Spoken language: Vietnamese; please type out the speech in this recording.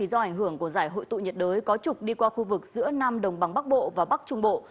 do ảnh hưởng của giải hội tụ nhiệt đới có trục đi qua khu vực giữa nam đồng bằng bắc bộ và bắc trung bộ